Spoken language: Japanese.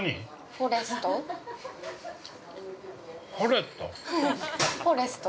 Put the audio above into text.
◆フォレット？